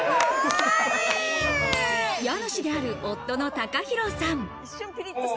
家主である夫の貴宏さん。